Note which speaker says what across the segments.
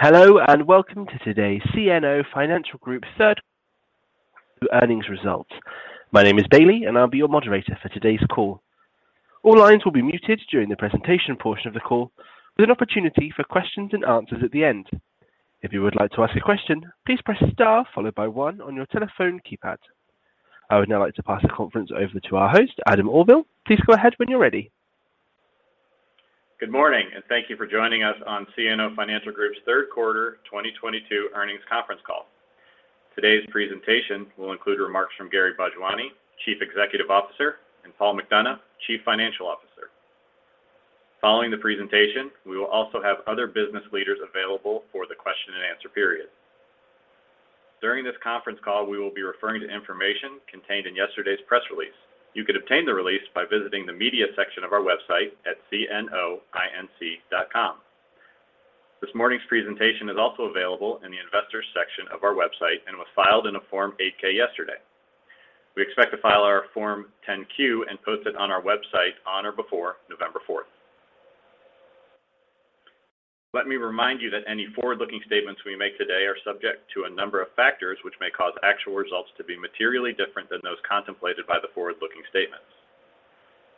Speaker 1: Hello and welcome to today's CNO Financial Group third earnings results. My name is Bailey, and I'll be your moderator for today's call. All lines will be muted during the presentation portion of the call with an opportunity for questions and answers at the end. If you would like to ask a question, please press star followed by one on your telephone keypad. I would now like to pass the conference over to our host, Adam Auvil. Please go ahead when you're ready.
Speaker 2: Good morning, and thank you for joining us on CNO Financial Group's third quarter 2022 earnings conference call. Today's presentation will include remarks from Gary Bhojwani, Chief Executive Officer, and Paul McDonough, Chief Financial Officer. Following the presentation, we will also have other business leaders available for the question-and-answer period. During this conference call, we will be referring to information contained in yesterday's press release. You could obtain the release by visiting the media section of our website at cnoinc.com. This morning's presentation is also available in the investors section of our website and was filed in a Form 8-K yesterday. We expect to file our Form 10-Q and post it on our website on or before November fourth. Let me remind you that any forward-looking statements we make today are subject to a number of factors which may cause actual results to be materially different than those contemplated by the forward-looking statements.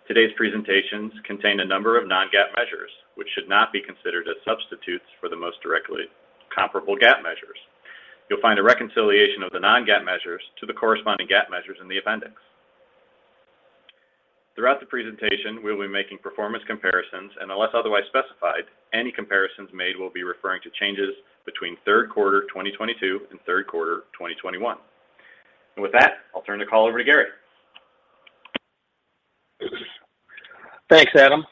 Speaker 2: Today's presentations contain a number of non-GAAP measures, which should not be considered as substitutes for the most directly comparable GAAP measures. You'll find a reconciliation of the non-GAAP measures to the corresponding GAAP measures in the appendix. Throughout the presentation, we'll be making performance comparisons, and unless otherwise specified, any comparisons made will be referring to changes between third quarter 2022 and third quarter 2021. With that, I'll turn the call over to Gary.
Speaker 3: Thanks, Adam.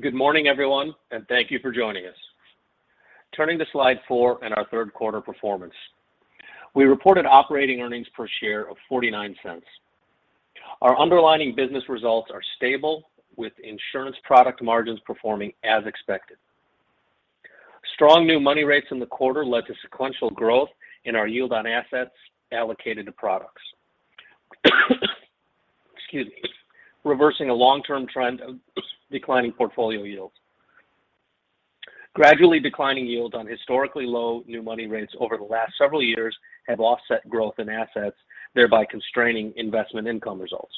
Speaker 3: Good morning, everyone, and thank you for joining us. Turning to slide four and our third quarter performance. We reported operating earnings per share of $0.49. Our underlying business results are stable with insurance product margins performing as expected. Strong new money rates in the quarter led to sequential growth in our yield on assets allocated to products. Excuse me. Reversing a long-term trend of declining portfolio yields. Gradually declining yield on historically low new money rates over the last several years have offset growth in assets, thereby constraining investment income results.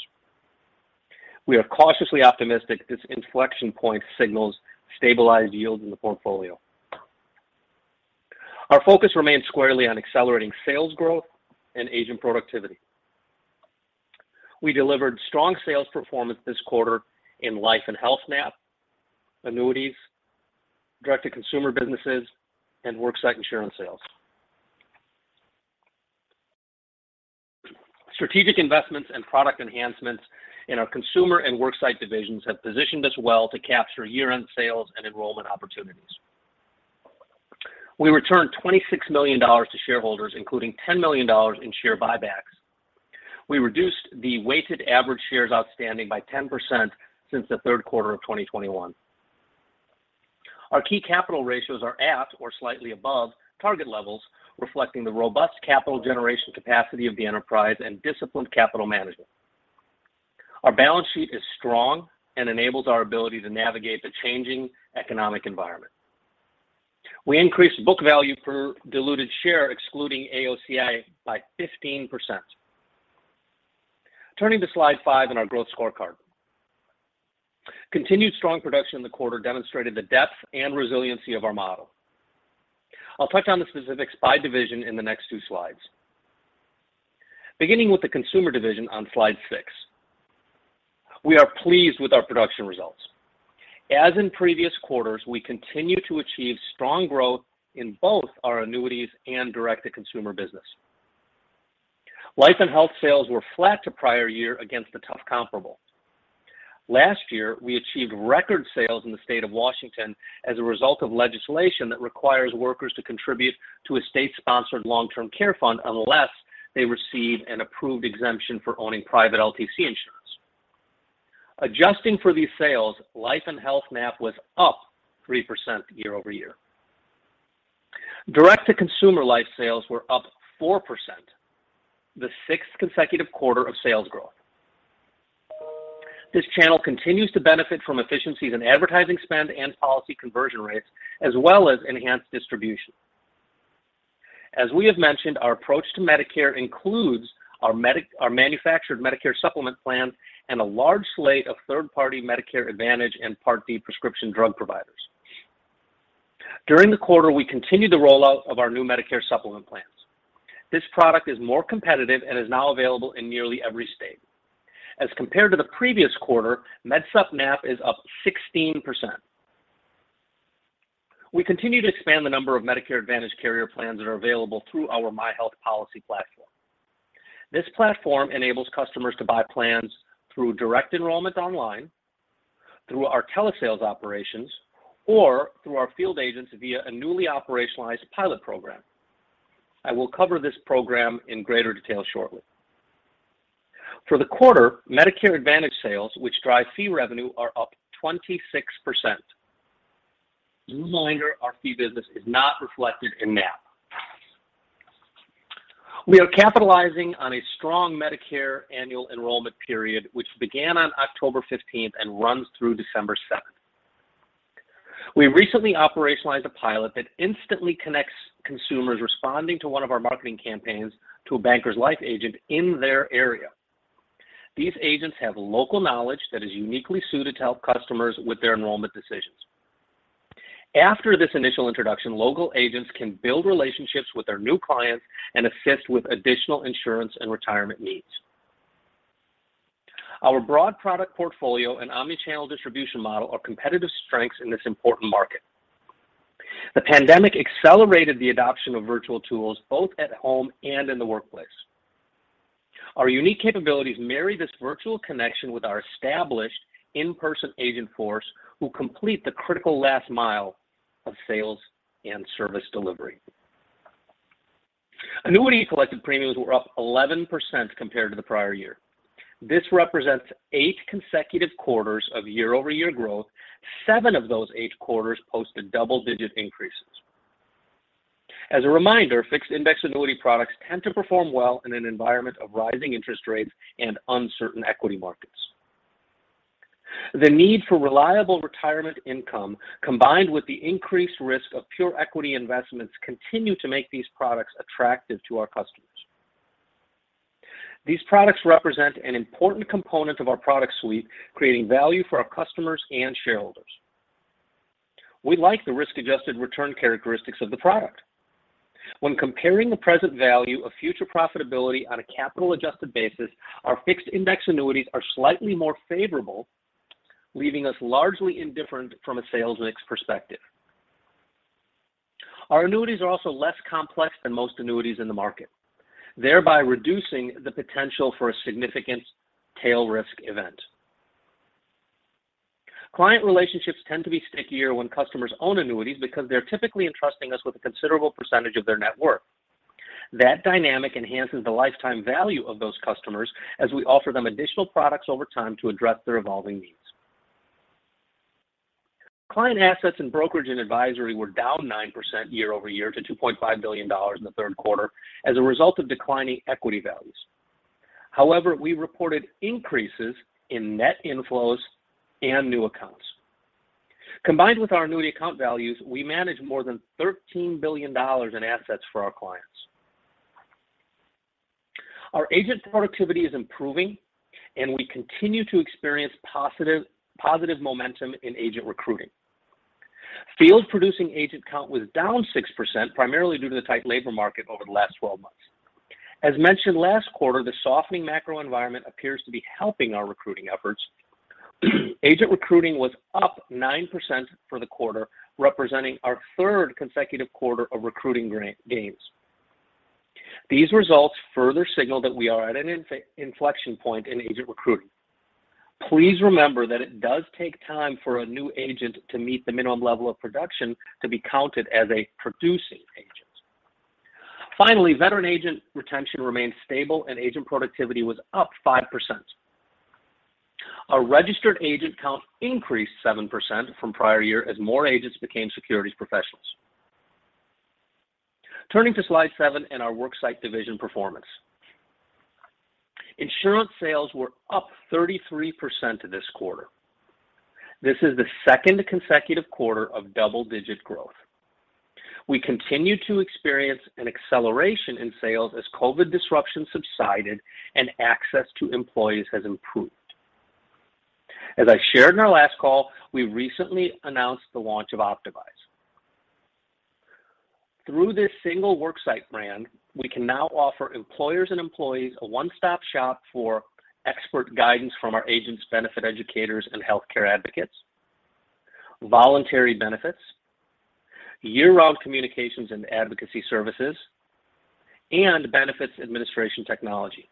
Speaker 3: We are cautiously optimistic this inflection point signals stabilized yields in the portfolio. Our focus remains squarely on accelerating sales growth and agent productivity. We delivered strong sales performance this quarter in life and health NAP, annuities, direct-to-consumer businesses, and worksite insurance sales. Strategic investments and product enhancements in our consumer and worksite divisions have positioned us well to capture year-end sales and enrollment opportunities. We returned $26 million to shareholders, including $10 million in share buybacks. We reduced the weighted average shares outstanding by 10% since the third quarter of 2021. Our key capital ratios are at or slightly above target levels, reflecting the robust capital generation capacity of the enterprise and disciplined capital management. Our balance sheet is strong and enables our ability to navigate the changing economic environment. We increased book value per diluted share, excluding AOCI, by 15%. Turning to slide five in our growth scorecard. Continued strong production in the quarter demonstrated the depth and resiliency of our model. I'll touch on the specifics by division in the next two slides. Beginning with the consumer division on slide six, we are pleased with our production results. As in previous quarters, we continue to achieve strong growth in both our annuities and direct-to-consumer business. Life and health sales were flat to prior year against a tough comparable. Last year, we achieved record sales in the state of Washington as a result of legislation that requires workers to contribute to a state-sponsored long-term care fund unless they receive an approved exemption for owning private LTC insurance. Adjusting for these sales, life and health NAP was up 3% year-over-year. Direct-to-consumer life sales were up 4%, the sixth consecutive quarter of sales growth. This channel continues to benefit from efficiencies in advertising spend and policy conversion rates, as well as enhanced distribution. As we have mentioned, our approach to Medicare includes our manufactured Medicare Supplement plan and a large slate of third-party Medicare Advantage and Part D prescription drug providers. During the quarter, we continued the rollout of our new Medicare Supplement plans. This product is more competitive and is now available in nearly every state. As compared to the previous quarter, Med Supp NAP is up 16%. We continue to expand the number of Medicare Advantage carrier plans that are available through our myHealthPolicy platform. This platform enables customers to buy plans through direct enrollment online, through our telesales operations, or through our field agents via a newly operationalized pilot program. I will cover this program in greater detail shortly. For the quarter, Medicare Advantage sales, which drive fee revenue, are up 26%. Just a reminder, our fee business is not reflected in NAP. We are capitalizing on a strong Medicare annual enrollment period, which began on October 15th and runs through December 7th. We recently operationalized a pilot that instantly connects consumers responding to one of our marketing campaigns to a Bankers Life agent in their area. These agents have local knowledge that is uniquely suited to help customers with their enrollment decisions. After this initial introduction, local agents can build relationships with their new clients and assist with additional insurance and retirement needs. Our broad product portfolio and omni-channel distribution model are competitive strengths in this important market. The pandemic accelerated the adoption of virtual tools, both at home and in the workplace. Our unique capabilities marry this virtual connection with our established in-person agent force who complete the critical last mile of sales and service delivery. Annuity collected premiums were up 11% compared to the prior year. This represents eight consecutive quarters of year-over-year growth. Seven of those eight quarters posted double-digit increases. As a reminder, fixed index annuity products tend to perform well in an environment of rising interest rates and uncertain equity markets. The need for reliable retirement income, combined with the increased risk of pure equity investments, continue to make these products attractive to our customers. These products represent an important component of our product suite, creating value for our customers and shareholders. We like the risk-adjusted return characteristics of the product. When comparing the present value of future profitability on a capital-adjusted basis, our fixed index annuities are slightly more favorable, leaving us largely indifferent from a sales mix perspective. Our annuities are also less complex than most annuities in the market, thereby reducing the potential for a significant tail risk event. Client relationships tend to be stickier when customers own annuities because they're typically entrusting us with a considerable percentage of their net worth. That dynamic enhances the lifetime value of those customers as we offer them additional products over time to address their evolving needs. Client assets and brokerage and advisory were down 9% year-over-year to $2.5 billion in the third quarter as a result of declining equity values. However, we reported increases in net inflows and new accounts. Combined with our annuity account values, we manage more than $13 billion in assets for our clients. Our agent productivity is improving, and we continue to experience positive momentum in agent recruiting. Field-producing agent count was down 6%, primarily due to the tight labor market over the last 12 months. As mentioned last quarter, the softening macro environment appears to be helping our recruiting efforts. Agent recruiting was up 9% for the quarter, representing our third consecutive quarter of recruiting gains. These results further signal that we are at an inflection point in agent recruiting. Please remember that it does take time for a new agent to meet the minimum level of production to be counted as a producing agent. Finally, veteran agent retention remains stable and agent productivity was up 5%. Our registered agent count increased 7% from prior year as more agents became securities professionals. Turning to slide seven in our worksite division performance. Insurance sales were up 33% this quarter. This is the second consecutive quarter of double-digit growth. We continue to experience an acceleration in sales as COVID disruption subsided and access to employees has improved. As I shared in our last call, we recently announced the launch of Optavise. Through this single worksite brand, we can now offer employers and employees a one-stop shop for expert guidance from our agents, benefit educators, and healthcare advocates, voluntary benefits, year-round communications and advocacy services, and benefits administration technology.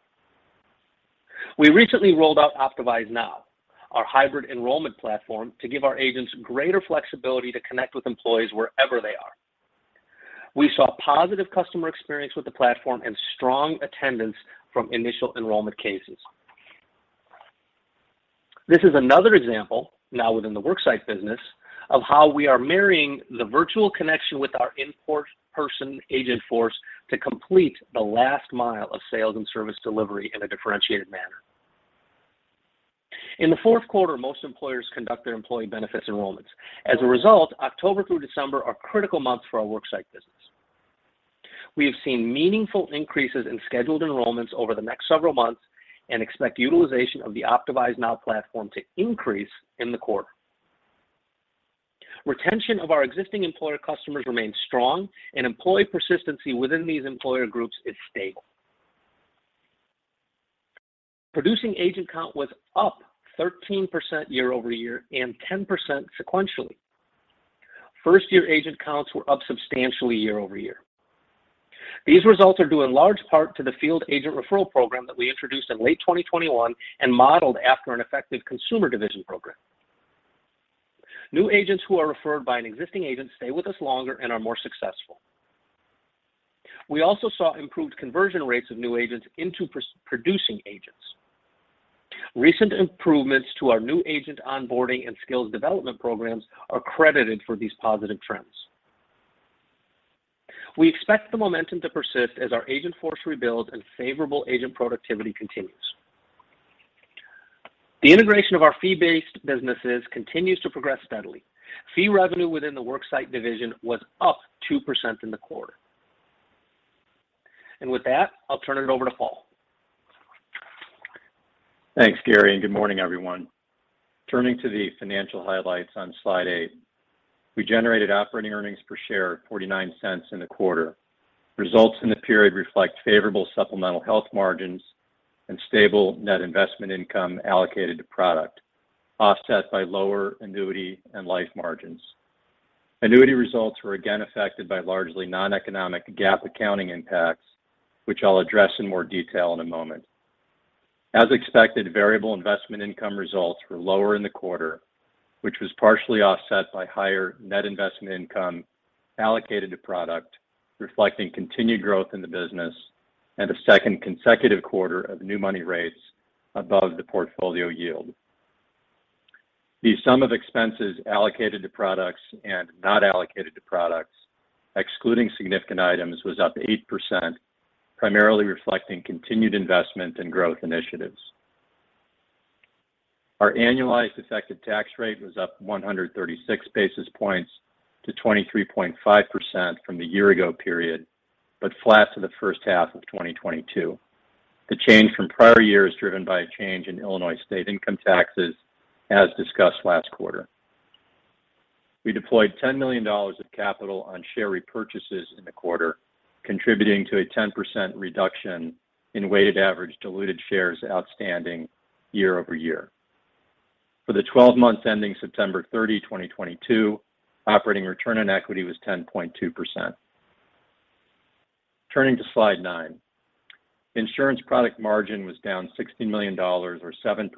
Speaker 3: We recently rolled out Optavise Now, our hybrid enrollment platform, to give our agents greater flexibility to connect with employees wherever they are. We saw positive customer experience with the platform and strong attendance from initial enrollment cases. This is another example, now within the worksite business, of how we are marrying the virtual connection with our in-person agent force to complete the last mile of sales and service delivery in a differentiated manner. In the fourth quarter, most employers conduct their employee benefits enrollments. As a result, October through December are critical months for our worksite business. We have seen meaningful increases in scheduled enrollments over the next several months and expect utilization of the Optavise Now platform to increase in the quarter. Retention of our existing employer customers remains strong, and employee persistency within these employer groups is stable. Producing agent count was up 13% year-over-year and 10% sequentially. First-year agent counts were up substantially year-over-year. These results are due in large part to the field agent referral program that we introduced in late 2021 and modeled after an effective consumer division program. New agents who are referred by an existing agent stay with us longer and are more successful. We also saw improved conversion rates of new agents into producing agents. Recent improvements to our new agent onboarding and skills development programs are credited for these positive trends. We expect the momentum to persist as our agent force rebuilds and favorable agent productivity continues. The integration of our fee-based businesses continues to progress steadily. Fee revenue within the worksite division was up 2% in the quarter. With that, I'll turn it over to Paul.
Speaker 4: Thanks, Gary, and good morning, everyone. Turning to the financial highlights on slide eight. We generated operating earnings per share of $0.49 in the quarter. Results in the period reflect favorable supplemental health margins and stable net investment income allocated to product, offset by lower annuity and life margins. Annuity results were again affected by largely noneconomic GAAP accounting impacts, which I'll address in more detail in a moment. As expected, variable investment income results were lower in the quarter, which was partially offset by higher net investment income allocated to product reflecting continued growth in the business and a second consecutive quarter of new money rates above the portfolio yield. The sum of expenses allocated to products and not allocated to products excluding significant items was up 8%, primarily reflecting continued investment in growth initiatives. Our annualized effective tax rate was up 136 basis points to 23.5% from the year-ago period, but flat to the first half of 2022. The change from prior years driven by a change in Illinois state income taxes as discussed last quarter. We deployed $10 million of capital on share repurchases in the quarter, contributing to a 10% reduction in weighted average diluted shares outstanding year-over-year. For the 12 months ending September 30, 2022, operating return on equity was 10.2%. Turning to slide nine. Insurance product margin was down $60 million or 7%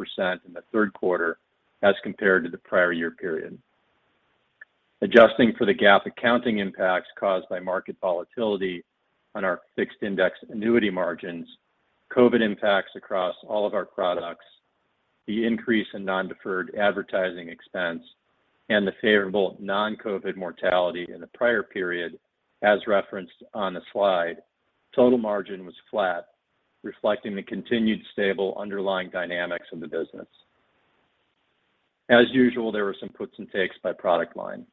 Speaker 4: in the third quarter as compared to the prior year period. Adjusting for the GAAP accounting impacts caused by market volatility on our fixed index annuity margins, COVID impacts across all of our products, the increase in non-deferred advertising expense, and the favorable non-COVID mortality in the prior period as referenced on the slide, total margin was flat, reflecting the continued stable underlying dynamics of the business. As usual, there were some puts and takes by product line.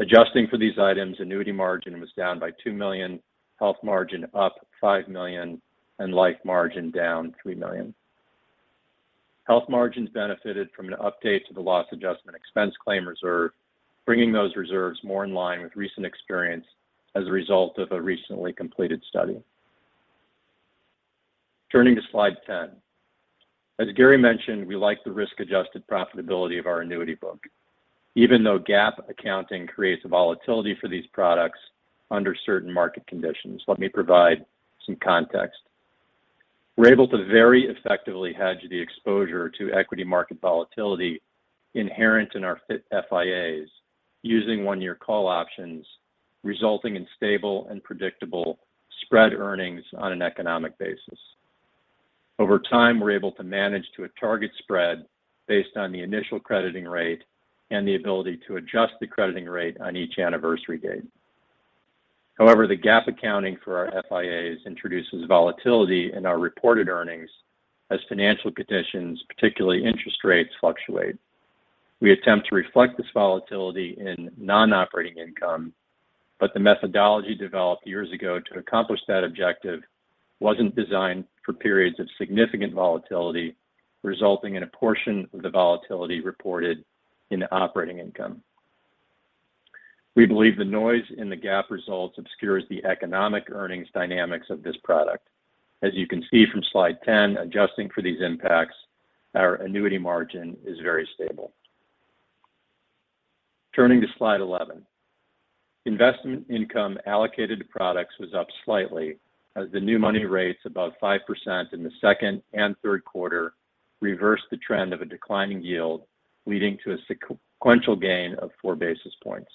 Speaker 4: Adjusting for these items, annuity margin was down by $2 million, health margin up $5 million, and life margin down $3 million. Health margins benefited from an update to the loss adjustment expense claim reserve, bringing those reserves more in line with recent experience as a result of a recently completed study. Turning to slide 10. As Gary mentioned, we like the risk-adjusted profitability of our annuity book. Even though GAAP accounting creates a volatility for these products under certain market conditions. Let me provide some context. We're able to very effectively hedge the exposure to equity market volatility inherent in our FIAs using one-year call options, resulting in stable and predictable spread earnings on an economic basis. Over time, we're able to manage to a target spread based on the initial crediting rate and the ability to adjust the crediting rate on each anniversary date. However, the GAAP accounting for our FIAs introduces volatility in our reported earnings as financial conditions, particularly interest rates fluctuate. We attempt to reflect this volatility in non-operating income, but the methodology developed years ago to accomplish that objective wasn't designed for periods of significant volatility, resulting in a portion of the volatility reported in the operating income. We believe the noise in the GAAP results obscures the economic earnings dynamics of this product. As you can see from slide 10, adjusting for these impacts, our annuity margin is very stable. Turning to slide 11. Investment income allocated to products was up slightly as the new money rates above 5% in the second and third quarter reversed the trend of a declining yield, leading to a sequential gain of four basis points.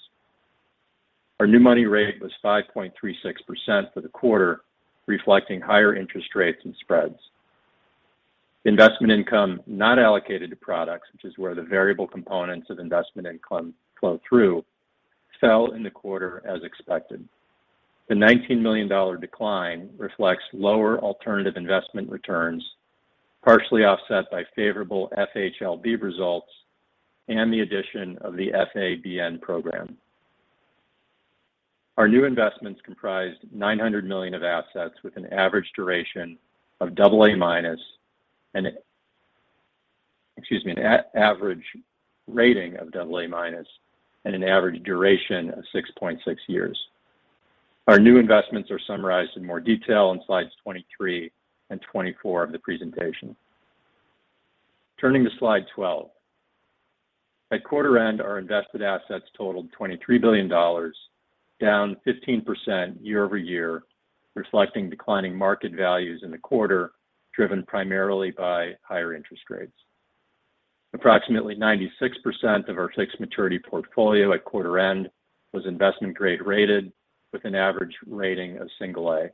Speaker 4: Our new money rate was 5.36% for the quarter, reflecting higher interest rates and spreads. Investment income not allocated to products, which is where the variable components of investment income flow through, fell in the quarter as expected. The $19 million decline reflects lower alternative investment returns, partially offset by favorable FHLB results and the addition of the FABN program. Our new investments comprised $900 million of assets with an average duration of double A minus and... Excuse me, an average rating of double A minus and an average duration of 6.6 years. Our new investments are summarized in more detail in slides 23 and 24 of the presentation. Turning to slide 12. At quarter end, our invested assets totaled $23 billion, down 15% year-over-year, reflecting declining market values in the quarter, driven primarily by higher interest rates. Approximately 96% of our fixed maturity portfolio at quarter end was investment grade rated with an average rating of single A,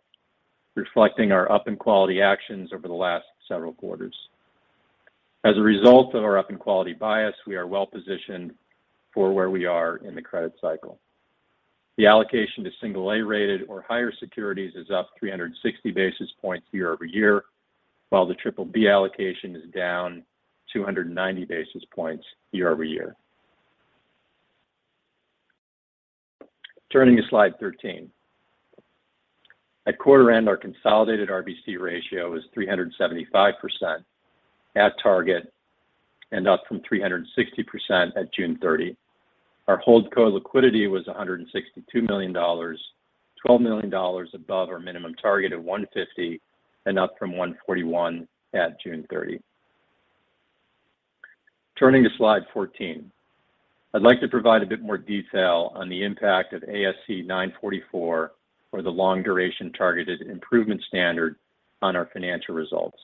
Speaker 4: reflecting our up in quality actions over the last several quarters. As a result of our up in quality bias, we are well-positioned for where we are in the credit cycle. The allocation to single A-rated or higher securities is up 360 basis points year-over-year, while the triple B allocation is down 290 basis points year-over-year. Turning to slide 13. At quarter end, our consolidated RBC ratio is 375% at target and up from 360% at June 30. Our HoldCo liquidity was $162 million, $12 million above our minimum target of $150 million and up from $141 million at June 30. Turning to slide 14. I'd like to provide a bit more detail on the impact of ASC 944 for the long duration targeted improvement standard on our financial results.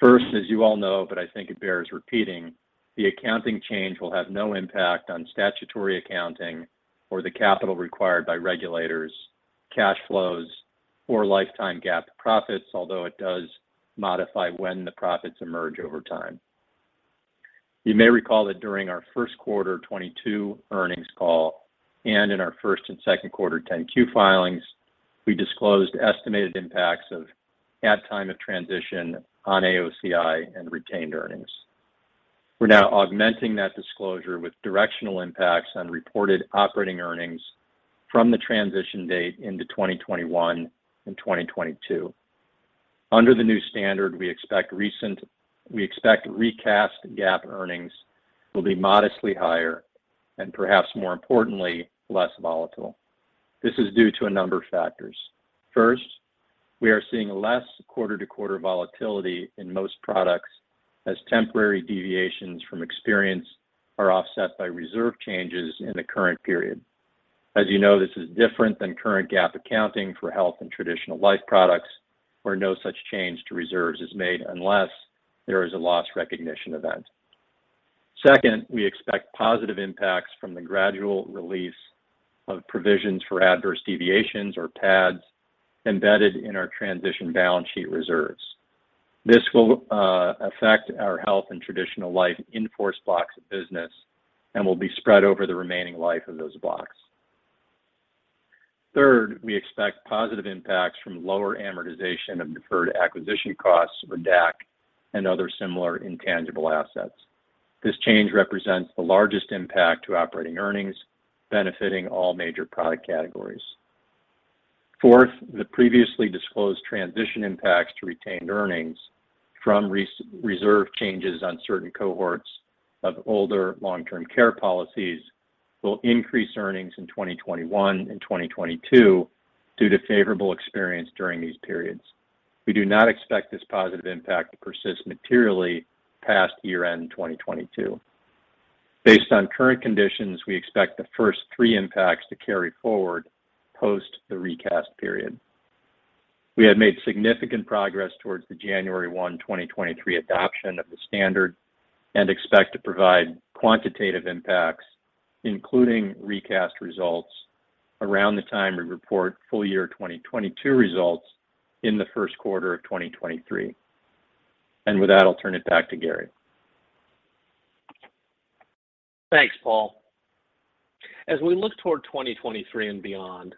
Speaker 4: First, as you all know, but I think it bears repeating, the accounting change will have no impact on statutory accounting or the capital required by regulators, cash flows or lifetime GAAP profits, although it does modify when the profits emerge over time. You may recall that during our first quarter 2022 earnings call and in our first and second quarter 10-Q filings, we disclosed estimated impacts of at time of transition on AOCI and retained earnings. We're now augmenting that disclosure with directional impacts on reported operating earnings from the transition date into 2021 and 2022. Under the new standard, we expect recast GAAP earnings will be modestly higher and perhaps more importantly, less volatile. This is due to a number of factors. First, we are seeing less quarter-to-quarter volatility in most products as temporary deviations from experience are offset by reserve changes in the current period. As you know, this is different than current GAAP accounting for health and traditional life products where no such change to reserves is made unless there is a loss recognition event. Second, we expect positive impacts from the gradual release of provisions for adverse deviations or PADs embedded in our transition balance sheet reserves. This will affect our health and traditional life in force blocks of business and will be spread over the remaining life of those blocks. Third, we expect positive impacts from lower amortization of deferred acquisition costs or DAC and other similar intangible assets. This change represents the largest impact to operating earnings benefiting all major product categories. Fourth, the previously disclosed transition impacts to retained earnings from reserve changes on certain cohorts of older long-term care policies will increase earnings in 2021 and 2022 due to favorable experience during these periods. We do not expect this positive impact to persist materially past year-end 2022. Based on current conditions, we expect the first three impacts to carry forward post the recast period. We have made significant progress towards the January 1, 2023 adoption of the standard and expect to provide quantitative impacts, including recast results around the time we report full year 2022 results in the first quarter of 2023. With that, I'll turn it back to Gary.
Speaker 3: Thanks, Paul. As we look toward 2023 and beyond,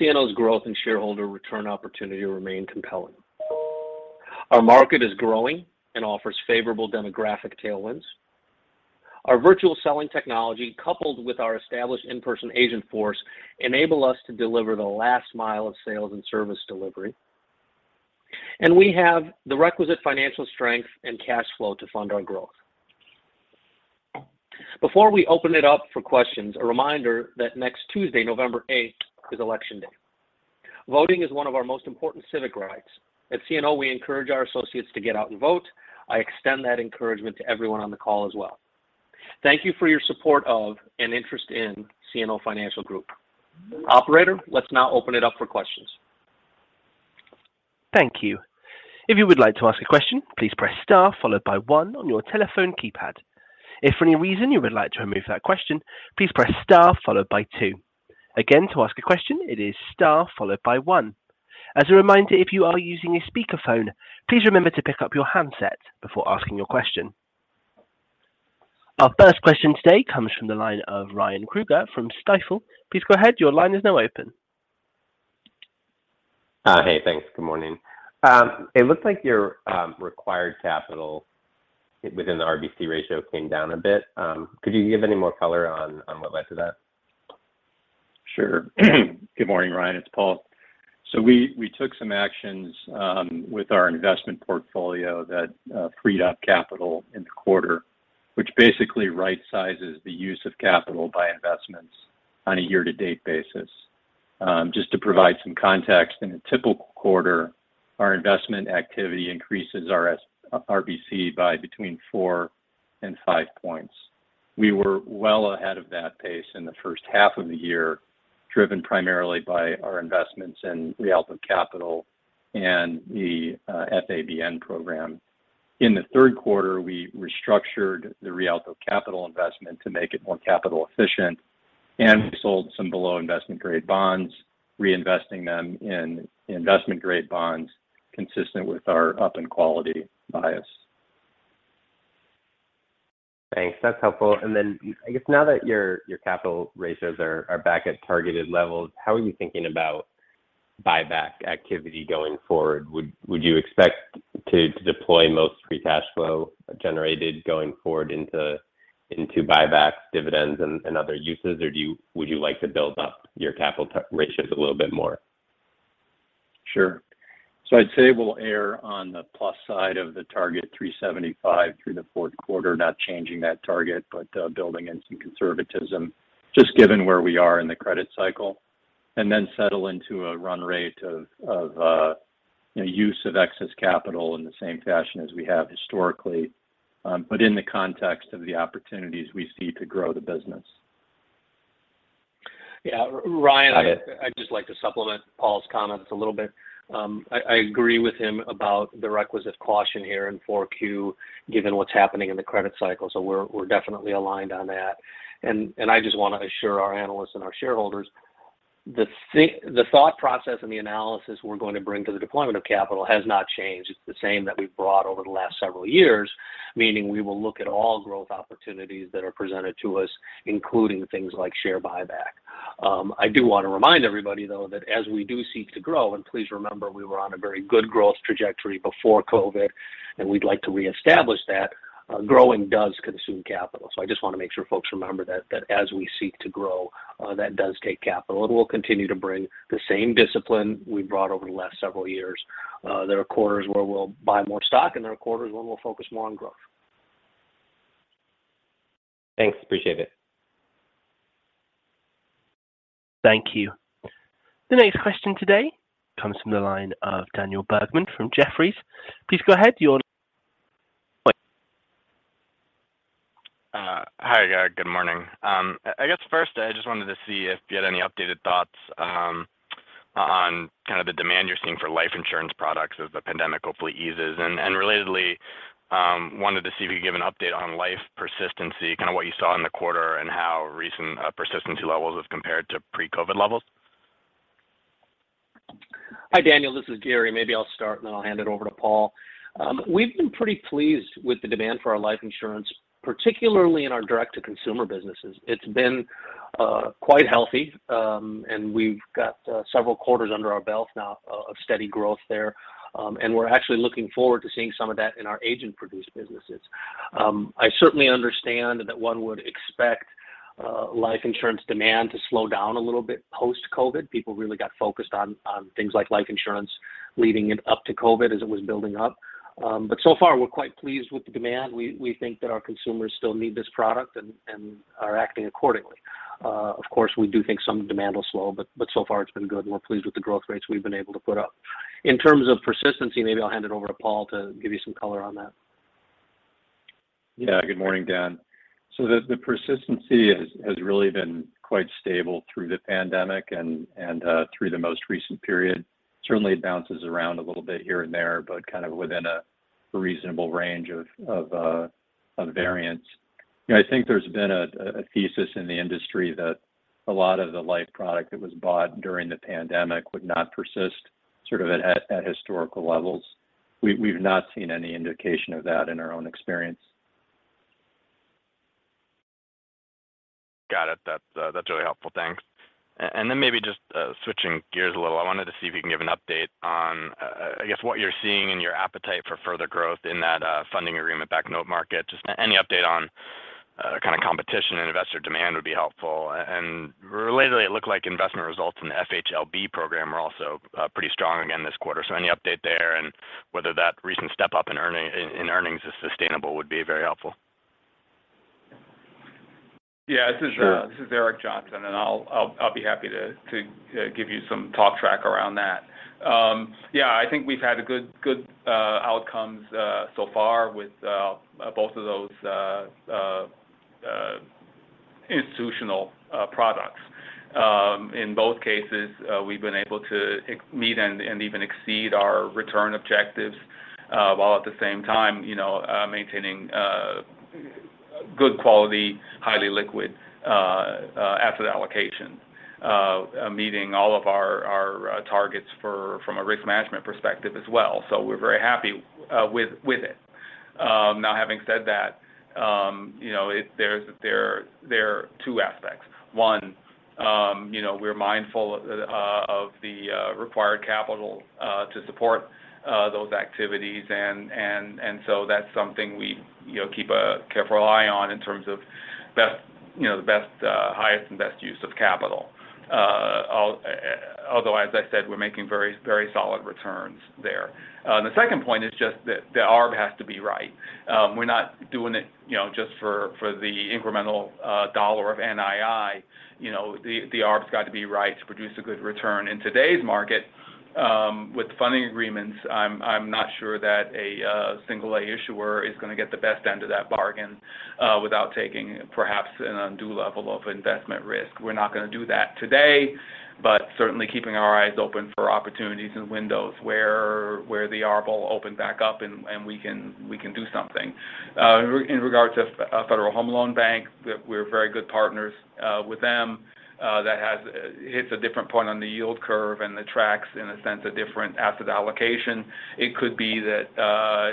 Speaker 3: CNO's growth and shareholder return opportunity remain compelling. Our market is growing and offers favorable demographic tailwinds. Our virtual selling technology, coupled with our established in-person agent force, enable us to deliver the last mile of sales and service delivery. We have the requisite financial strength and cash flow to fund our growth. Before we open it up for questions, a reminder that next Tuesday, November 8, is election day. Voting is one of our most important civic rights. At CNO, we encourage our associates to get out and vote. I extend that encouragement to everyone on the call as well. Thank you for your support of and interest in CNO Financial Group. Operator, let's now open it up for questions.
Speaker 1: Thank you. If you would like to ask a question, please press star followed by one on your telephone keypad. If for any reason you would like to remove that question, please press star followed by two. Again, to ask a question, it is star followed by one. As a reminder, if you are using a speakerphone, please remember to pick up your handset before asking your question. Our first question today comes from the line of Ryan Krueger from Stifel. Please go ahead. Your line is now open.
Speaker 5: Hey, thanks. Good morning. It looks like your required capital within the RBC ratio came down a bit. Could you give any more color on what led to that?
Speaker 4: Sure. Good morning, Ryan. It's Paul. We took some actions with our investment portfolio that freed up capital in the quarter, which basically rightsizes the use of capital by investments on a year to date basis. Just to provide some context, in a typical quarter, our investment activity increases our RBC by between four and five points. We were well ahead of that pace in the first half of the year, driven primarily by our investments in Rialto Capital and the FABN program. In the third quarter, we restructured the Rialto Capital investment to make it more capital efficient, and we sold some below investment-grade bonds, reinvesting them in investment-grade bonds consistent with our up in quality bias.
Speaker 5: Thanks. That's helpful. I guess now that your capital ratios are back at targeted levels, how are you thinking about buyback activity going forward? Would you expect to deploy most free cash flow generated going forward into buyback dividends and other uses, or would you like to build up your capital ratios a little bit more?
Speaker 4: Sure. I'd say we'll err on the plus side of the target $375 through the fourth quarter, not changing that target, but building in some conservatism just given where we are in the credit cycle. Then settle into a run rate of you know, use of excess capital in the same fashion as we have historically, but in the context of the opportunities we see to grow the business.
Speaker 3: Yeah. Ryan,
Speaker 5: Go ahead.
Speaker 3: I'd just like to supplement Paul's comments a little bit. I agree with him about the requisite caution here in 4Q given what's happening in the credit cycle. We're definitely aligned on that. I just wanna assure our analysts and our shareholders the thought process and the analysis we're going to bring to the deployment of capital has not changed. It's the same that we've brought over the last several years, meaning we will look at all growth opportunities that are presented to us, including things like share buyback. I do wanna remind everybody though that as we do seek to grow, and please remember we were on a very good growth trajectory before COVID, and we'd like to reestablish that, growing does consume capital. I just wanna make sure folks remember that as we seek to grow, that does take capital. We'll continue to bring the same discipline we've brought over the last several years. There are quarters where we'll buy more stock, and there are quarters where we'll focus more on growth.
Speaker 5: Thanks. Appreciate it.
Speaker 1: Thank you. The next question today comes from the line of Daniel Bergman from Jefferies. Please go ahead. You're on.
Speaker 6: Hi, guys. Good morning. I guess first I just wanted to see if you had any updated thoughts, on kind of the demand you're seeing for life insurance products as the pandemic hopefully eases. Relatedly, wanted to see if you could give an update on life persistency, kind of what you saw in the quarter and how recent persistency levels have compared to pre-COVID levels.
Speaker 3: Hi, Daniel. This is Gary. Maybe I'll start, and then I'll hand it over to Paul. We've been pretty pleased with the demand for our life insurance, particularly in our direct-to-consumer businesses. It's been quite healthy, and we've got several quarters under our belt now of steady growth there. We're actually looking forward to seeing some of that in our agent-produced businesses. I certainly understand that one would expect life insurance demand to slow down a little bit post-COVID. People really got focused on things like life insurance leading up to COVID as it was building up. But so far, we're quite pleased with the demand. We think that our consumers still need this product and are acting accordingly. Of course, we do think some demand will slow, but so far it's been good, and we're pleased with the growth rates we've been able to put up. In terms of persistency, maybe I'll hand it over to Paul to give you some color on that.
Speaker 4: Yeah. Good morning, Dan. The persistency has really been quite stable through the pandemic and through the most recent period. Certainly, it bounces around a little bit here and there, but kind of within a reasonable range of variance. You know, I think there's been a thesis in the industry that a lot of the life product that was bought during the pandemic would not persist sort of at historical levels. We've not seen any indication of that in our own experience.
Speaker 6: Got it. That's really helpful. Thanks. Then maybe just switching gears a little, I wanted to see if you can give an update on, I guess what you're seeing and your appetite for further growth in that funding agreement-backed note market. Just any update on, kind of competition and investor demand would be helpful. Relatedly, it looked like investment results in the FHLB program were also pretty strong again this quarter. Any update there and whether that recent step up in earnings is sustainable would be very helpful.
Speaker 7: Yeah. This is
Speaker 6: Sure.
Speaker 7: This is Eric Johnson, and I'll be happy to give you some talk track around that. Yeah, I think we've had a good outcomes so far with both of those institutional products. In both cases, we've been able to exceed and even exceed our return objectives while at the same time, you know, maintaining good quality, highly liquid asset allocation. Meeting all of our targets from a risk management perspective as well. We're very happy with it. Now having said that, you know, there are two aspects. One, you know, we're mindful of the required capital to support those activities.
Speaker 3: That's something we, you know, keep a careful eye on in terms of best, you know, the best highest and best use of capital. Although, as I said, we're making very solid returns there. The second point is just that the arb has to be right. We're not doing it, you know, just for the incremental dollar of NII.
Speaker 7: You know, the arb's got to be right to produce a good return. In today's market, with funding agreements, I'm not sure that a single A issuer is going to get the best end of that bargain, without taking perhaps an undue level of investment risk. We're not going to do that today, but certainly keeping our eyes open for opportunities and windows where the arb will open back up and we can do something. In regards to Federal Home Loan Banks, we're very good partners with them. That hits a different point on the yield curve and it tracks in a sense a different asset allocation. It could be that,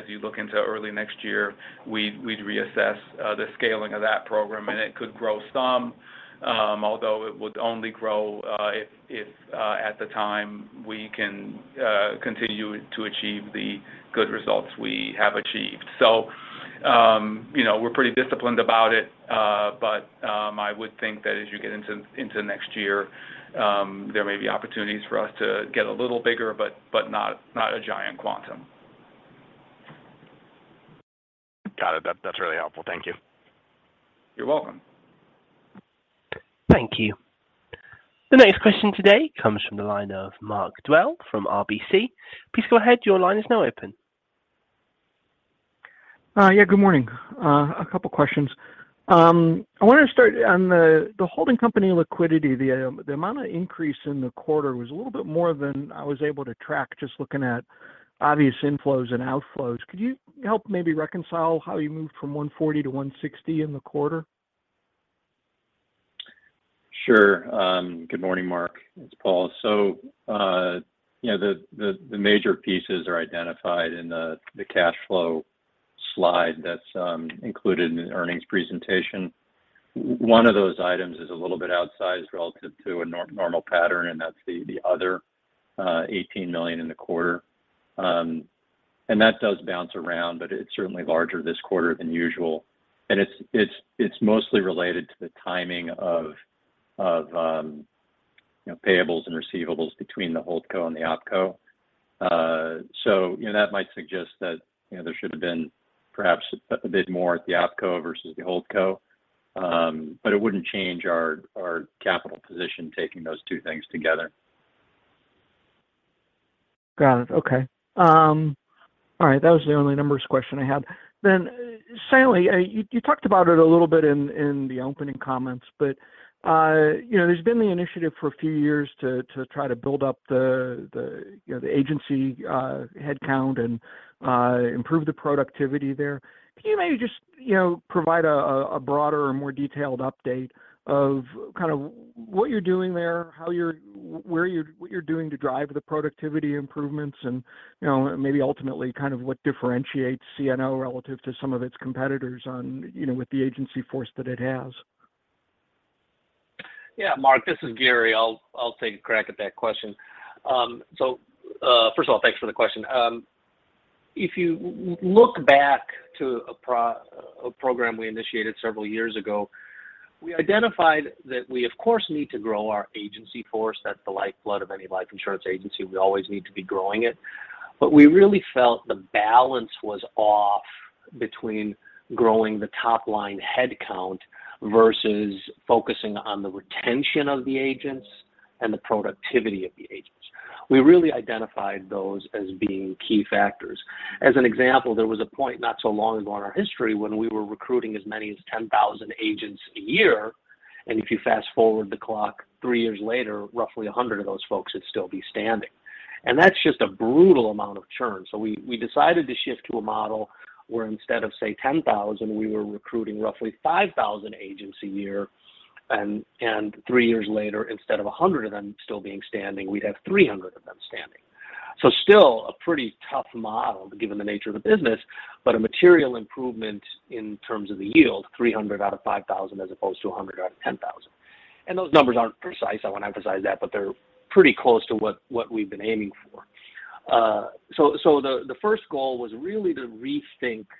Speaker 7: as you look into early next year, we'd reassess the scaling of that program, and it could grow some, although it would only grow if at the time we can continue to achieve the good results we have achieved. You know, we're pretty disciplined about it, but I would think that as you get into next year, there may be opportunities for us to get a little bigger, but not a giant quantum.
Speaker 5: Got it. That's really helpful. Thank you.
Speaker 7: You're welcome.
Speaker 1: Thank you. The next question today comes from the line of Mark Dwelle from RBC. Please go ahead. Your line is now open.
Speaker 8: Yeah, good morning. A couple questions. I want to start on the holding company liquidity. The amount of increase in the quarter was a little bit more than I was able to track just looking at obvious inflows and outflows. Could you help maybe reconcile how you moved from $140-$160 in the quarter?
Speaker 4: Sure. Good morning, Mark. It's Paul. You know, the major pieces are identified in the cash flow slide that's included in the earnings presentation. One of those items is a little bit outsized relative to a normal pattern, and that's the other $18 million in the quarter. That does bounce around, but it's certainly larger this quarter than usual. It's mostly related to the timing of you know, payables and receivables between the HoldCo and the OpCo. You know, that might suggest that, you know, there should have been perhaps a bit more at the OpCo versus the HoldCo, but it wouldn't change our capital position taking those two things together.
Speaker 8: Got it. Okay. All right. That was the only numbers question I had. Finally, you talked about it a little bit in the opening comments, but you know, there's been the initiative for a few years to try to build up the agency headcount and improve the productivity there. Can you maybe just you know, provide a broader or more detailed update of kind of what you're doing there, what you're doing to drive the productivity improvements and you know, maybe ultimately kind of what differentiates CNO relative to some of its competitors with the agency force that it has?
Speaker 3: Yeah, Mark, this is Gary. I'll take a crack at that question. First of all, thanks for the question. If you look back to a program we initiated several years ago, we identified that we of course need to grow our agency force. That's the lifeblood of any life insurance agency. We always need to be growing it. But we really felt the balance was off between growing the top-line headcount versus focusing on the retention of the agents and the productivity of the agents. We really identified those as being key factors. As an example, there was a point not so long ago in our history when we were recruiting as many as 10,000 agents a year, and if you fast-forward the clock three years later, roughly 100 of those folks would still be standing. That's just a brutal amount of churn. We decided to shift to a model where instead of, say, 10,000, we were recruiting roughly 5,000 agents a year, and three years later, instead of 100 of them still being standing, we'd have 300 of them standing. Still a pretty tough model given the nature of the business, but a material improvement in terms of the yield, 300 out of 5,000 as opposed to 100 out of 10,000. Those numbers aren't precise, I want to emphasize that, but they're pretty close to what we've been aiming for. The first goal was really to rethink the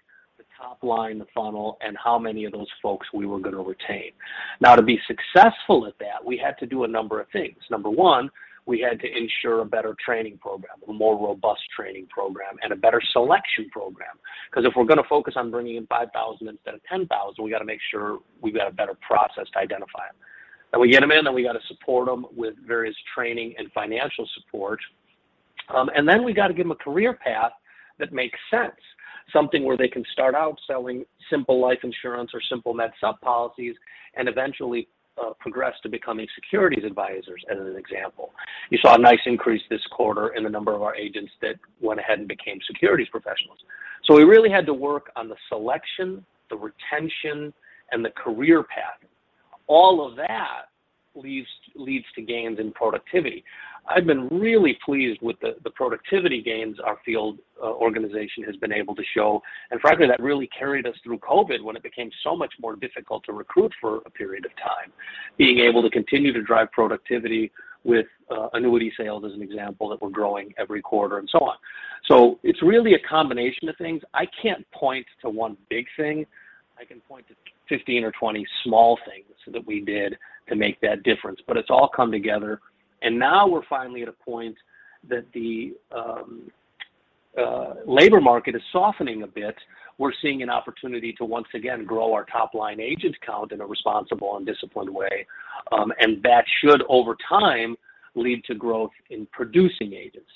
Speaker 3: top line, the funnel, and how many of those folks we were going to retain. Now, to be successful at that, we had to do a number of things. Number one, we had to ensure a better training program, a more robust training program, and a better selection program. 'Cause if we're going to focus on bringing in 5,000 instead of 10,000, we got to make sure we've got a better process to identify them. We get them in, then we got to support them with various training and financial support. We got to give them a career path that makes sense, something where they can start out selling simple life insurance or simple Med Supp policies and eventually, progress to becoming securities advisors, as an example. You saw a nice increase this quarter in the number of our agents that went ahead and became securities professionals. We really had to work on the selection, the retention, and the career path. All of that leads to gains in productivity. I've been really pleased with the productivity gains our field organization has been able to show. Frankly, that really carried us through COVID when it became so much more difficult to recruit for a period of time, being able to continue to drive productivity with annuity sales as an example that we're growing every quarter and so on. It's really a combination of things. I can't point to one big thing. I can point to 15 or 20 small things that we did to make that difference. It's all come together, and now we're finally at a point that the labor market is softening a bit. We're seeing an opportunity to once again grow our top-line agent count in a responsible and disciplined way, and that should over time lead to growth in producing agents.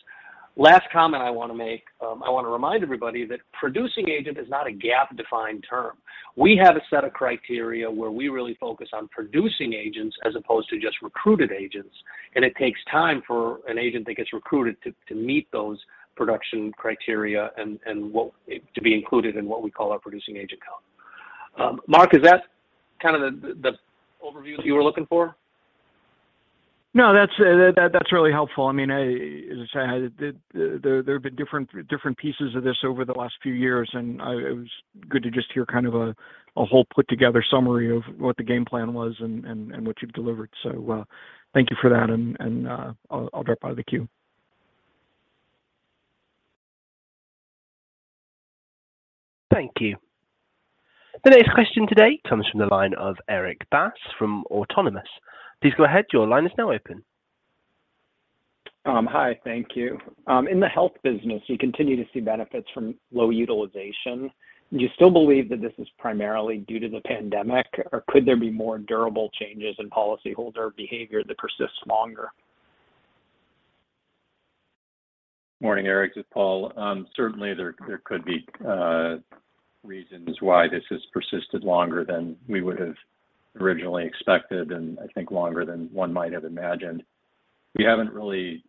Speaker 3: Last comment I wanna make, I wanna remind everybody that producing agent is not a GAAP-defined term. We have a set of criteria where we really focus on producing agents as opposed to just recruited agents, and it takes time for an agent that gets recruited to meet those production criteria and to be included in what we call our producing agent count. Mark, is that kind of the overview that you were looking for?
Speaker 8: No, that's really helpful. I mean, as I say, there have been different pieces of this over the last few years, and it was good to just hear kind of a whole put-together summary of what the game plan was and what you've delivered. Thank you for that, and I'll drop out of the queue.
Speaker 1: Thank you. The next question today comes from the line of Erik Bass from Autonomous. Please go ahead. Your line is now open.
Speaker 9: Hi. Thank you. In the health business, you continue to see benefits from low utilization. Do you still believe that this is primarily due to the pandemic, or could there be more durable changes in policy holder behavior that persists longer?
Speaker 4: Morning, Eric, this is Paul. Certainly there could be reasons why this has persisted longer than we would have originally expected, and I think longer than one might have imagined. We haven't really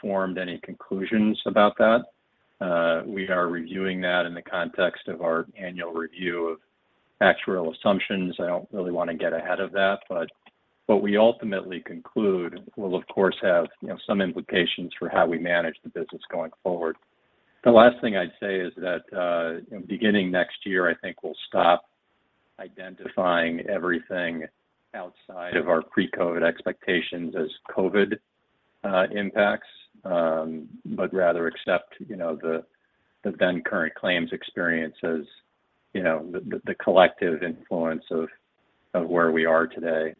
Speaker 4: formed any conclusions about that. We are reviewing that in the context of our annual review of actuarial assumptions. I don't really wanna get ahead of that, but what we ultimately conclude will, of course, have, you know, some implications for how we manage the business going forward. The last thing I'd say is that, you know, beginning next year, I think we'll stop identifying everything outside of our pre-COVID expectations as COVID impacts, but rather accept, you know, the then current claims experience as, you know, the collective influence of where we are today,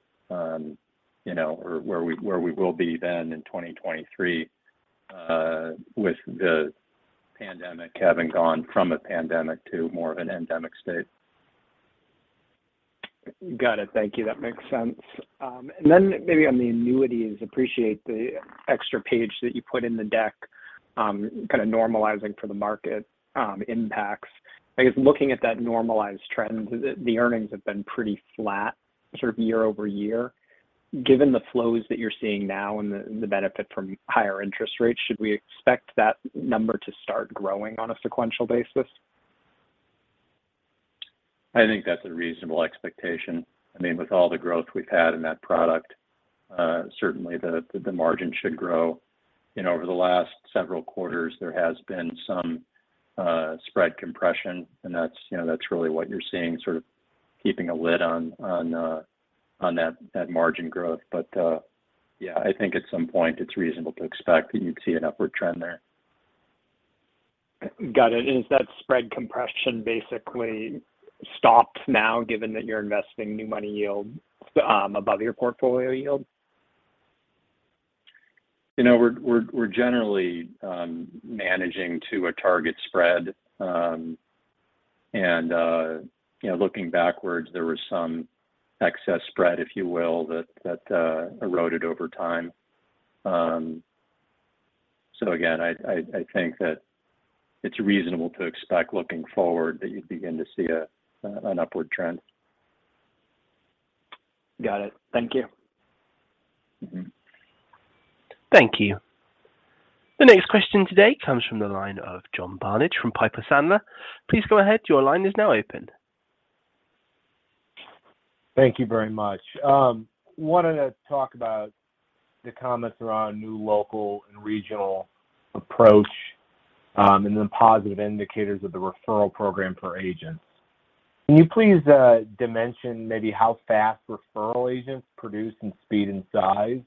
Speaker 4: you know, or where we will be then in 2023, with the pandemic having gone from a pandemic to more of an endemic state.
Speaker 9: Got it. Thank you. That makes sense. Maybe on the annuities, appreciate the extra page that you put in the deck, kind of normalizing for the market impacts. I guess looking at that normalized trend, the earnings have been pretty flat sort of year-over-year. Given the flows that you're seeing now and the benefit from higher interest rates, should we expect that number to start growing on a sequential basis?
Speaker 4: I think that's a reasonable expectation. I mean, with all the growth we've had in that product, certainly the margin should grow. You know, over the last several quarters, there has been some spread compression, and that's, you know, that's really what you're seeing, sort of keeping a lid on that margin growth. Yeah, I think at some point it's reasonable to expect that you'd see an upward trend there.
Speaker 9: Got it. Is that spread compression basically stopped now given that you're investing new money yield above your portfolio yield?
Speaker 4: You know, we're generally managing to a target spread. You know, looking backwards, there was some excess spread, if you will, that eroded over time. Again, I think that it's reasonable to expect looking forward that you'd begin to see an upward trend.
Speaker 9: Got it. Thank you.
Speaker 4: Mm-hmm.
Speaker 1: Thank you. The next question today comes from the line of John Barnidge from Piper Sandler. Please go ahead. Your line is now open.
Speaker 10: Thank you very much. Wanted to talk about the comments around new local and regional approach, and the positive indicators of the referral program for agents. Can you please dimension maybe how fast referral agents produce in speed and size?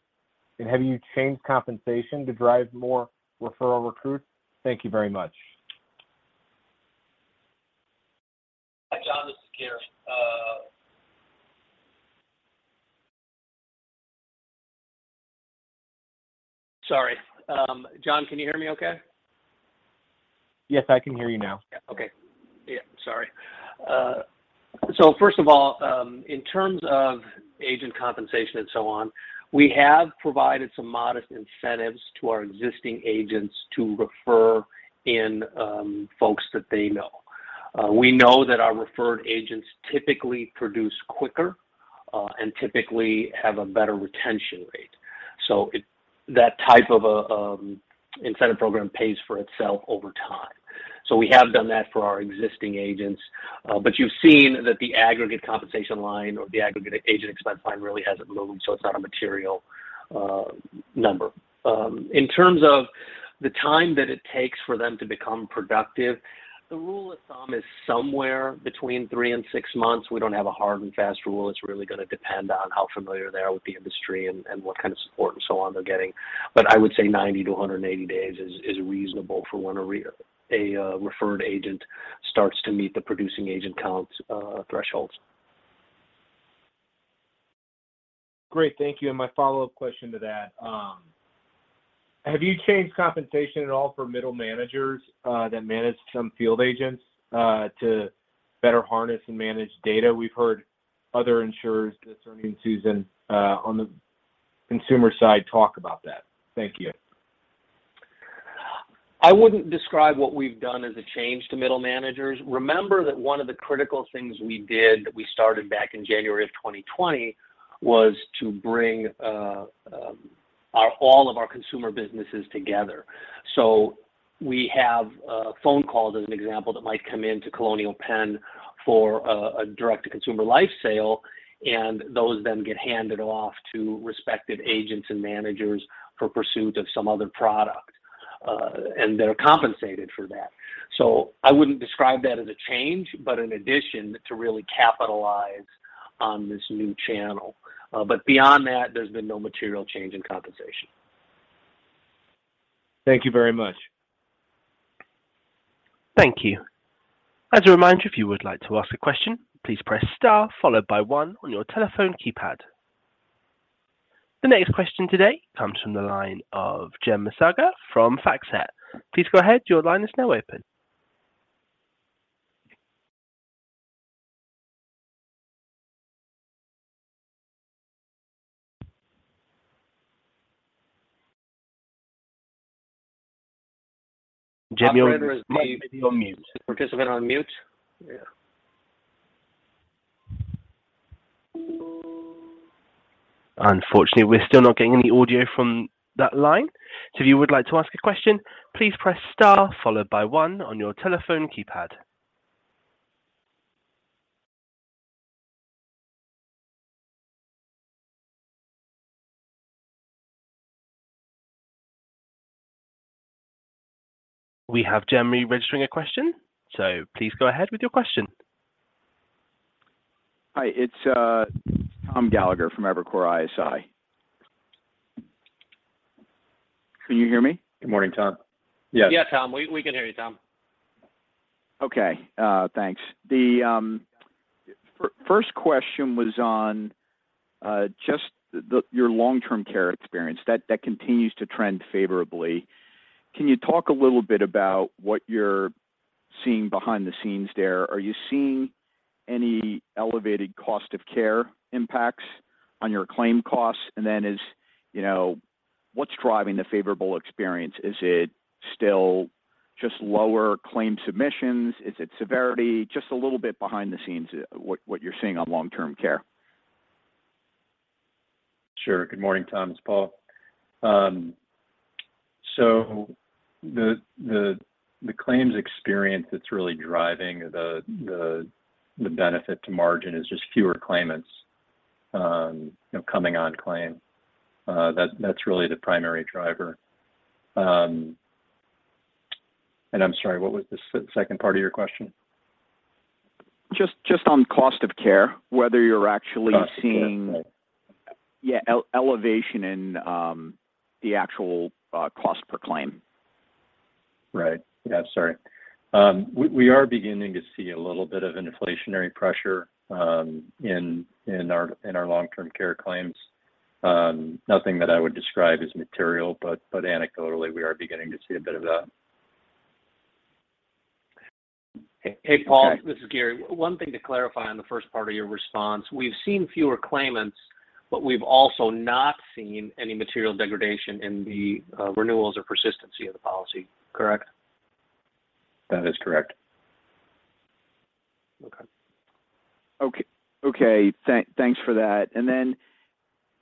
Speaker 10: And have you changed compensation to drive more referral recruits? Thank you very much.
Speaker 3: Hi, John, this is Gary. Sorry. John, can you hear me okay?
Speaker 10: Yes, I can hear you now.
Speaker 3: Okay, sorry. First of all, in terms of agent compensation and so on, we have provided some modest incentives to our existing agents to refer in folks that they know. We know that our referred agents typically produce quicker and typically have a better retention rate. That type of a incentive program pays for itself over time. We have done that for our existing agents, but you've seen that the aggregate compensation line or the aggregate agent expense line really hasn't moved, so it's not a material number. In terms of the time that it takes for them to become productive, the rule of thumb is somewhere between three and six months. We don't have a hard and fast rule. It's really gonna depend on how familiar they are with the industry and what kind of support and so on they're getting. I would say 90 to 180 days is reasonable for when a referred agent starts to meet the producing agent counts thresholds.
Speaker 10: Great. Thank you. My follow-up question to that, have you changed compensation at all for middle managers, that manage some field agents, to better harness and manage data? We've heard other insurers, this earning season, on the consumer side talk about that. Thank you.
Speaker 3: I wouldn't describe what we've done as a change to middle managers. Remember that one of the critical things we did, that we started back in January of 2020, was to bring our all of our consumer businesses together. We have phone calls as an example, that might come in to Colonial Penn for a direct-to-consumer life sale, and those then get handed off to respective agents and managers for pursuit of some other product, and they're compensated for that. I wouldn't describe that as a change, but an addition to really capitalize on this new channel. Beyond that, there's been no material change in compensation.
Speaker 10: Thank you very much.
Speaker 1: Thank you. As a reminder, if you would like to ask a question, please press star followed by one on your telephone keypad. The next question today comes from the line of [Jim Massager] from FactSet. Please go ahead, your line is now open. Jim, you're currently on mute.
Speaker 3: Participant on mute?
Speaker 4: Yeah.
Speaker 1: Unfortunately, we're still not getting any audio from that line. If you would like to ask a question, please press star followed by one on your telephone keypad. We have Jim registering a question, so please go ahead with your question.
Speaker 11: Hi, it's Tom Gallagher from Evercore ISI. Can you hear me?
Speaker 4: Good morning, Tom.
Speaker 3: Yes, Tom. We can hear you, Tom.
Speaker 11: Okay, thanks. The first question was on just your long-term care experience that continues to trend favorably. Can you talk a little bit about what you're seeing behind the scenes there? Are you seeing any elevated cost of care impacts on your claim costs? And then, you know, what's driving the favorable experience? Is it still just lower claim submissions? Is it severity? Just a little bit behind the scenes, what you're seeing on long-term care.
Speaker 4: Sure. Good morning, Tom, it's Paul. So the claims experience that's really driving the benefit to margin is just fewer claimants, you know, coming on claim. That's really the primary driver. I'm sorry, what was the second part of your question?
Speaker 11: Just on cost of care, whether you're actually seeing.
Speaker 4: Cost of care, sorry.
Speaker 11: Yeah, elevation in the actual cost per claim.
Speaker 4: Right. Yeah, sorry. We are beginning to see a little bit of inflationary pressure in our long-term care claims. Nothing that I would describe as material, but anecdotally, we are beginning to see a bit of that.
Speaker 3: Hey, Paul, this is Gary. One thing to clarify on the first part of your response. We've seen fewer claimants, but we've also not seen any material degradation in the renewals or persistency of the policy, correct?
Speaker 4: That is correct.
Speaker 11: Okay, thanks for that. Then,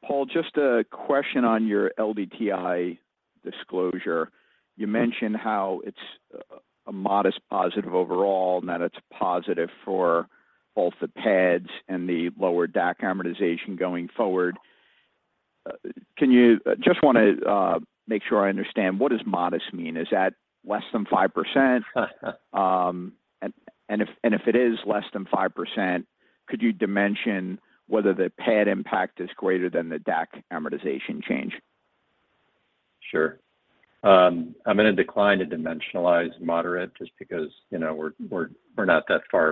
Speaker 11: Paul, just a question on your LDTI disclosure. You mentioned how it's a modest positive overall and that it's positive for both the PADs and the lower DAC amortization going forward. Just wanna make sure I understand. What does modest mean? Is that less than 5%? And if it is less than 5%, could you dimension whether the PAD impact is greater than the DAC amortization change?
Speaker 4: Sure. I'm gonna decline to dimensionalize moderate just because, you know, we're not that far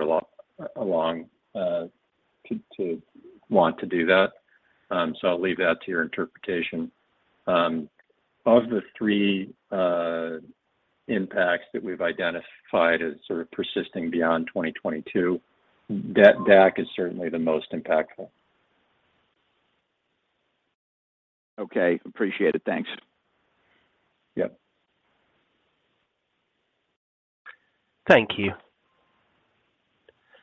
Speaker 4: along to want to do that. I'll leave that to your interpretation. Of the three impacts that we've identified as sort of persisting beyond 2022, DAC is certainly the most impactful.
Speaker 11: Okay. Appreciate it. Thanks.
Speaker 4: Yep.
Speaker 1: Thank you.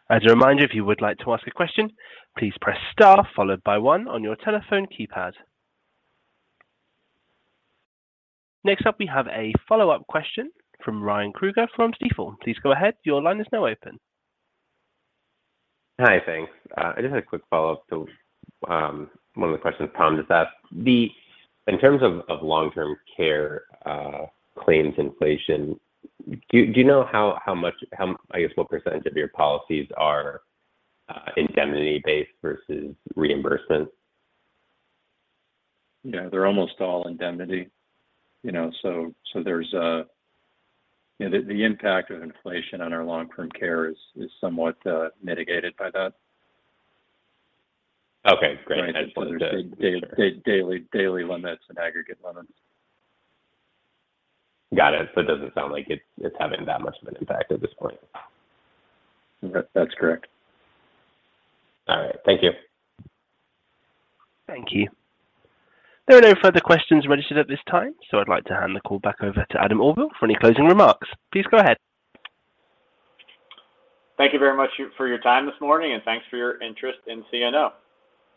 Speaker 1: As a reminder, if you would like to ask a question, please press star followed by one on your telephone keypad. Next up, we have a follow-up question from Ryan Krueger from Stifel. Please go ahead. Your line is now open.
Speaker 5: Hi. Thanks. I just had a quick follow-up to one of the questions Tom just asked. In terms of long-term care claims inflation, do you know how much, I guess, what percentage of your policies are indemnity-based versus reimbursement?
Speaker 4: Yeah, they're almost all indemnity. You know, the impact of inflation on our long-term care is somewhat mitigated by that.
Speaker 5: Okay, great.
Speaker 4: There's daily limits and aggregate limits.
Speaker 5: Got it. It doesn't sound like it's having that much of an impact at this point.
Speaker 4: That, that's correct.
Speaker 5: All right. Thank you.
Speaker 1: Thank you. There are no further questions registered at this time, so I'd like to hand the call back over to Adam Auvil for any closing remarks. Please go ahead.
Speaker 2: Thank you very much for your time this morning, and thanks for your interest in CNO.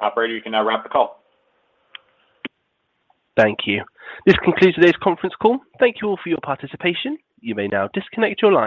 Speaker 2: Operator, you can now wrap the call.
Speaker 1: Thank you. This concludes today's conference call. Thank you all for your participation. You may now disconnect your line.